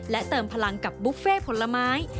และเติมพลังกับบุฟเฟ่ผลไม้